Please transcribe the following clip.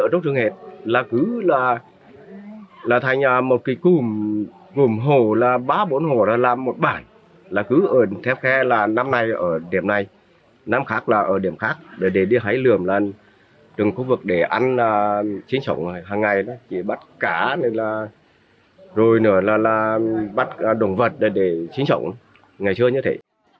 rồi nữa là bắt động vật để chiến trọng ngày trưa như thế